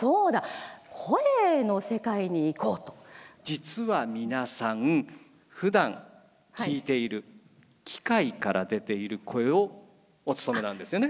実は皆さんふだん聞いている機械から出ている声をおつとめなんですよね。